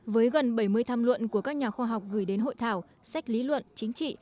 với gần bảy mươi tham luận của các nhà khoa học gửi đến hội thảo sách lý luận chính trị